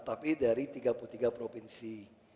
tapi dari tiga puluh tiga provinsi